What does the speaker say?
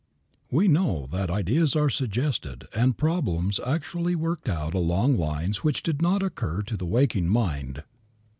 We know that ideas are suggested and problems actually worked out along lines which did not occur to the waking mind.